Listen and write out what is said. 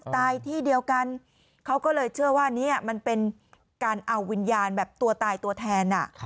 ที่เดียวกันเขาก็เลยเชื่อว่านี่มันเป็นการเอาวิญญาณแบบตัวตายตัวแทน